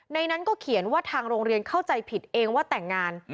นั้นก็เขียนว่าทางโรงเรียนเข้าใจผิดเองว่าแต่งงาน